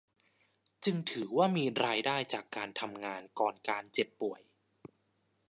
จึงถือว่ามีรายได้จากการทำงานก่อนการเจ็บป่วย